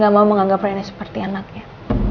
gak mau menganggap rena seperti anaknya